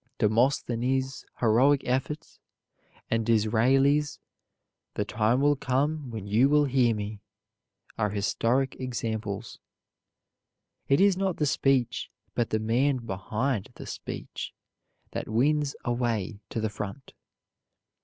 Demosthenes' heroic efforts, and Disraeli's "The time will come when you will hear me," are historic examples. It is not the speech, but the man behind the speech, that wins a way to the front.